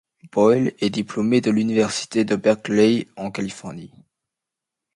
Boyle est diplômée de l'Université de Berkeley en Californie.